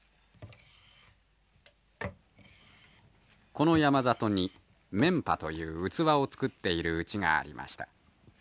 この山里にメンパという器を作っているうちがありました。